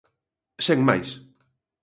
Sen máis.